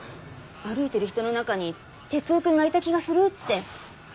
歩いてる人の中に徹生君がいた気がするって。